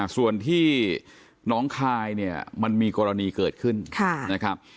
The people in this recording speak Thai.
ส่วนที่น้องคายเนี่ยมันมีกรณีเกิดขึ้นนะครับ